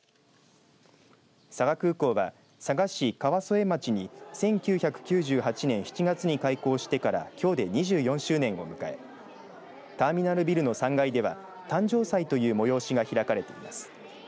佐賀空港は佐賀市川副町に１９９８年７月に開港してからきょうで２４周年を迎えターミナルビルの３階では誕生祭という催しが開かれています。